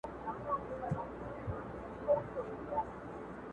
دا يې د ميــــني تـرانـــه ماته كــړه,